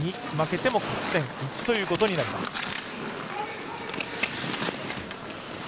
負けても勝ち点１ということになります。